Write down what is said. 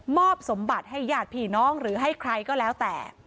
สมบัติให้ญาติพี่น้องหรือให้ใครก็แล้วแต่